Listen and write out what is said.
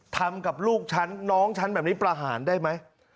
ทำกับลูกฉันน้องฉันแบบนี้ประหารได้ไหม